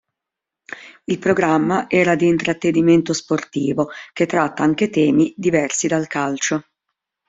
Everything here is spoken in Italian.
Il programma era di intrattenimento sportivo che tratta anche temi diversi dal calcio.